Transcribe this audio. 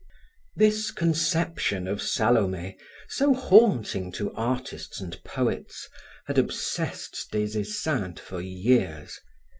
This conception of Salome, so haunting to artists and poets, had obsessed Des Esseintes for years.